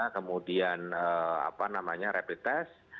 kemudian rapid test